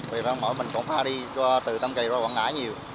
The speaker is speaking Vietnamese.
vì mỗi mình cũng phải đi từ tâm kỳ qua quảng ngãi nhiều